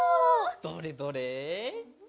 どれどれ。